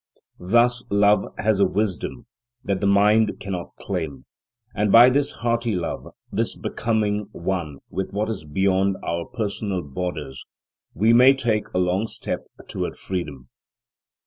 Thus love has a wisdom that the mind cannot claim, and by this hearty love, this becoming one with what is beyond our personal borders, we may take a long step toward freedom.